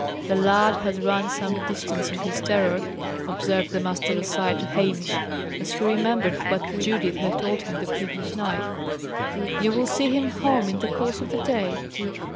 "The lad has run some distance in his terror," observed the master aside to Hamish, as he remembered what Judith had told him the previous night. "You will see him home in the course of the day."